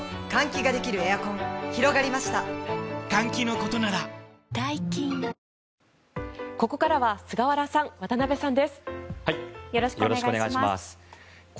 ここからは菅原さん、渡辺さんです。